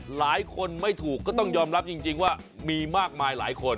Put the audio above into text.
หลายคนไม่ถูกก็ต้องยอมรับจริงว่ามีมากมายหลายคน